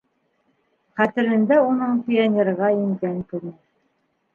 Хәтерендә уның пионерға ингән көнө.